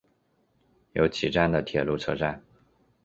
由岐站的铁路车站。